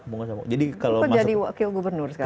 kalau jadi wakil gubernur sekarang